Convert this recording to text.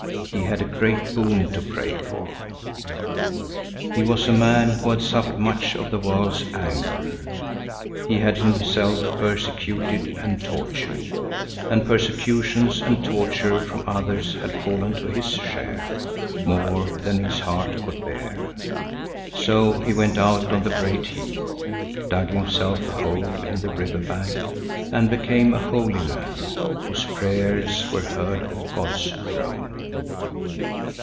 He had a great boon to pray for. He was a man who had suffered much of the world's anger. He had himself persecuted and tortured, and persecutions and torture from others had fallen to his share, more than his heart could bear. So he went out on the great heath, dug himself a hole in the river bank and became a holy man, whose prayers were heard at God's throne.